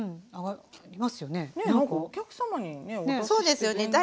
そうですよね。